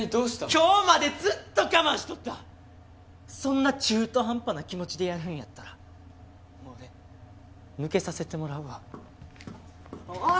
今日までずっと我慢そんな中途半端な気持ちでやるんやったらもう俺抜けさせてもらうわおおい！